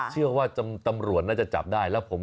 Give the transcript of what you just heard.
เชื่อว่าตำรวจน่าจะจับได้แล้วผม